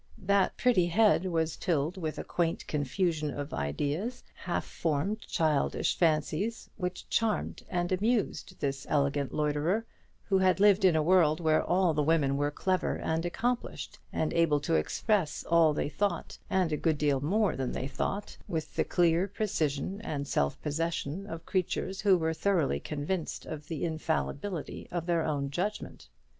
That pretty head was tilled with a quaint confusion of ideas, half formed childish fancies, which charmed and amused this elegant loiterer, who had lived in a world where all the women were clever and accomplished, and able to express all they thought, and a good deal more than they thought, with the clear precision and self possession of creatures who were thoroughly convinced of the infallibility of their own judgment.